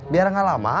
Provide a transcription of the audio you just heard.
biar gak lama